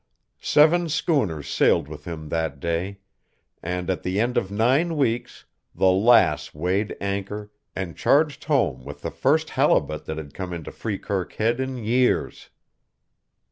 Seven schooners sailed with him that day, and, at the end of nine weeks, the Lass weighed anchor and charged home with the first halibut that had come into Freekirk Head in years.